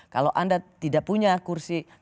kalau anda tidak punya kursi